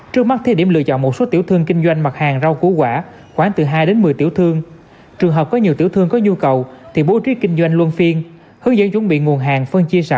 trước mắt thi điểm lựa chọn một số tiểu thương kinh doanh mặt hàng rau củ quả